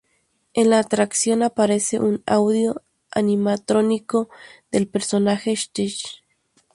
En la atracción aparece un Audio-Animatrónico del personaje Stitch.